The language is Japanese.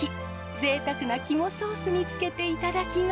ぜいたくな肝ソースにつけていただきます。